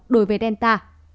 đối với delta